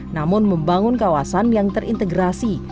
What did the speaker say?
namun membangun kawasan yang terintegrasi